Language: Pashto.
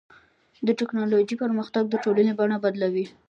د ټکنالوجۍ پرمختګ د ټولنې بڼه بدلوي.